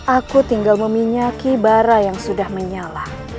aku tinggal meminyaki bara yang sudah menyala